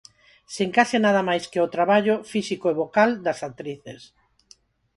Sen case nada máis que o traballo, físico e vocal, das actrices.